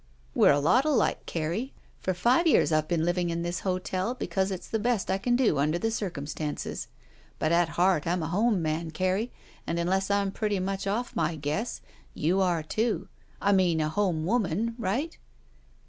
"We're a lot alike, Carrie. For five years I've been living in this hotel because it's the best I can do imder the circumstances. But at heart I'm a home man, Carrie, and unless I'm pretty much oflE my guess, you are, too — I mean a home woman. Right?"